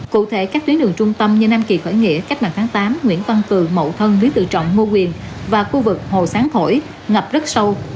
cụ thể các tuyến đường trung tâm như nam kỳ khởi nghĩa cách mạng tháng tám nguyễn văn cử mậu thân lý tự trọng ngô quyền và khu vực hồ sáng thổi ngập rất sâu